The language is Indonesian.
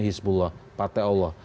hezbollah partai allah